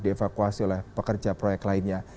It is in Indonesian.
dievakuasi oleh pekerja proyek lainnya